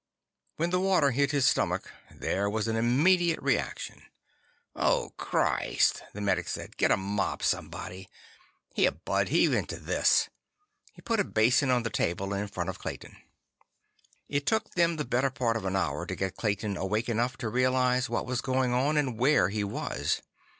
When the water hit his stomach, there was an immediate reaction. "Oh, Christ!" the medic said. "Get a mop, somebody. Here, bud; heave into this." He put a basin on the table in front of Clayton. It took them the better part of an hour to get Clayton awake enough to realize what was going on and where he was.